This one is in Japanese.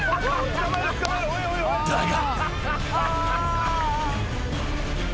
［だが］